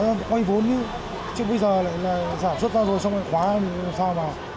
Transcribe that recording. đó là quanh vốn chứ chứ bây giờ là sản xuất ra rồi xong rồi khóa làm sao mà